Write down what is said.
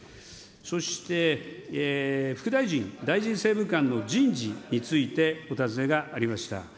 そして副大臣、大臣政務官の人事について、お尋ねがありました。